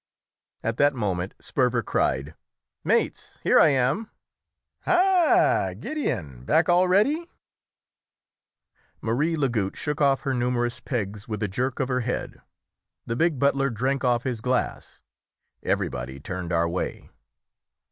At that moment Sperver cried "Mates, here I am!" "Ha! Gideon, back already?" Marie Lagoutte shook off her numerous pegs with a jerk of her head. The big butler drank off his glass. Everybody turned our way.